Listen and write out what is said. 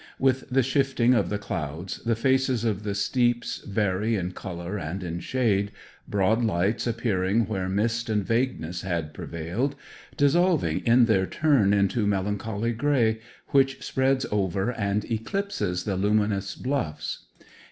With the shifting of the clouds the faces of the steeps vary in colour and in shade, broad lights appearing where mist and vagueness had prevailed, dissolving in their turn into melancholy gray, which spreads over and eclipses the luminous bluffs.